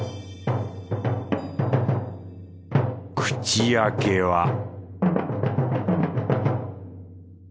口開けは